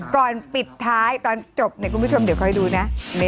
ก่อนปิดท้ายตอนจบเนี่ยคุณผู้ชมเดี๋ยวคอยดูนะ